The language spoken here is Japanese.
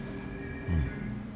うん。